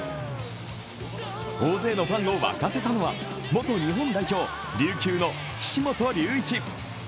大勢のファンを沸かせたのは、元日本代表、琉球の岸本隆一。